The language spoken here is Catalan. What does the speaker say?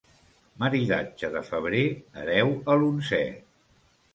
Maridatge de febrer, hereu a l'onzè.